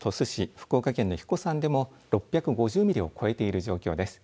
福岡県の英彦山でも６５０ミリを超えている状況です。